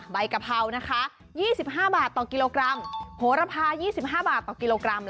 กะเพรานะคะ๒๕บาทต่อกิโลกรัมโหระพา๒๕บาทต่อกิโลกรัม